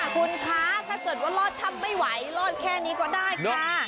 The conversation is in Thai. คุณคะถ้าเกิดว่ารอดถ้ำไม่ไหวรอดแค่นี้ก็ได้ค่ะ